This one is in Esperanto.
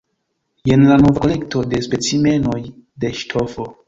Jen la nova kolekto de specimenoj da ŝtofo.